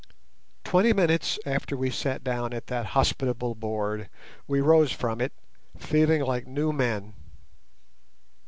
Twenty minutes after we sat down at that hospitable board we rose from it, feeling like new men.